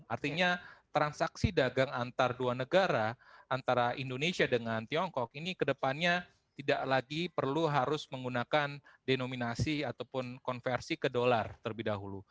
artinya transaksi dagang antar dua negara antara indonesia dengan tiongkok ini kedepannya tidak lagi perlu harus menggunakan denominasi ataupun konversi ke dolar terlebih dahulu